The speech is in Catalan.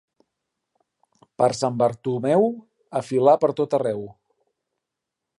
Per Sant Bartomeu, a filar pertot arreu.